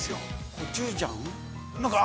◆コチュジャン？